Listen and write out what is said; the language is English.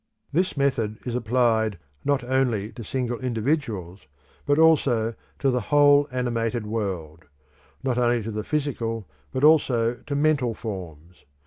This method is applied not only to single individuals, but also to the whole animated world; not only to physical but also to mental forms.